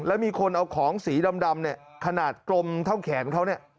แล้วมีคนเอาของสีดำเนี่ยขนาดกลมเท่าแขนเขาเนี่ย